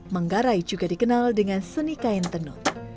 menggarai juga dikenal dengan seni kain tenun